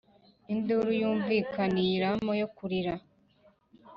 Induru yumvikaniye iRama Yo kurira